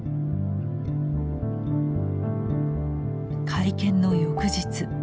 会見の翌日。